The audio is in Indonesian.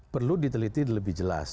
perlu diteliti lebih jelas